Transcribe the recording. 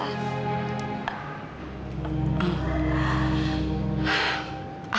jangan bilang pada siapapun termasuk pak haris soal mila